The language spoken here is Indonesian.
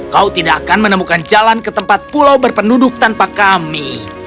kau tidak akan menemukan jalan ke tempat pulau berpenduduk tanpa kami